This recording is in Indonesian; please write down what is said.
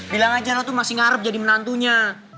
bila ngajar lo tuh masih ngarep jadi menantunya